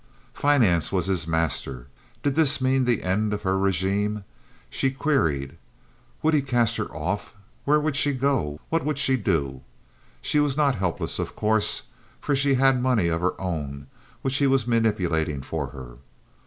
Finance was his master. Did this mean the end of her regime, she queried. Would he cast her off? Where would she go? What would she do? She was not helpless, of course, for she had money of her own which he was manipulating for her.